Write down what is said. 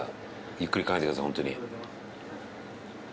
ゆっくり書いてくださいホントに。